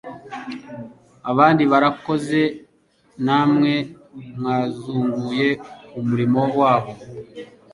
abandi barakoze namwe mwazunguye umurimo wabo